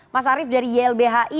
mas arief dari ylbhi